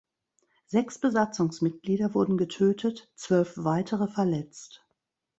Sechs Besatzungsmitglieder wurden getötet, zwölf weitere verletzt.